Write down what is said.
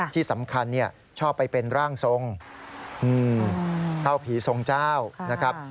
ที่สำคัญชอบไปเป็นร่างทรงเท่าผีทรงเจ้านะครับ